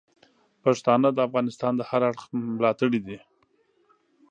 پښتانه د افغانستان د هر اړخ ملاتړي دي.